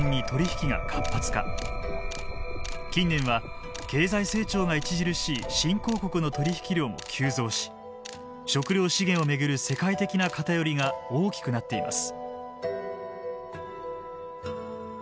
近年は経済成長が著しい新興国の取引量も急増し食料資源を巡る世界的な偏りが大きくなっています。